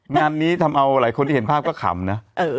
งานนี้ทำเอาหลายคนที่เห็นภาพก็ขำนะ